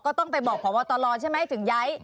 ก็ต้องไปบอกพรบทรใช่ไหม